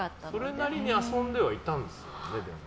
それなりに遊んではいたんですよね？